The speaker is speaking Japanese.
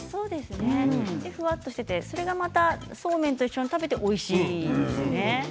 ふわっとしていて、それがまたそうめんと食べておいしいんですね。